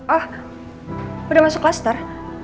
oh udah masuk kluster